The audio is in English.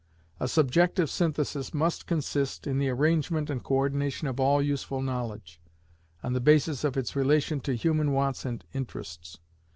A subjective synthesis must consist in the arrangement and co ordination of all useful knowledge, on the basis of its relation to human wants and interests.